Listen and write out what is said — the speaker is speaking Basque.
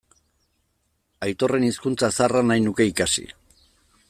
Aitorren hizkuntza zaharra nahi nuke ikasi.